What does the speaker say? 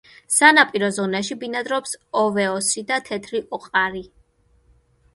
სანაპირო ზონაში ბინადრობს ივეოსი და თეთრი ოყარი.